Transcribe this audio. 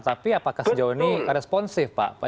tapi apakah sejauh ini responsif pak